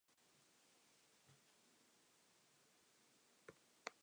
Eight were assigned to Yontan and four to Kadena.